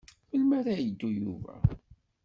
Melmi ad yeddu Yuba?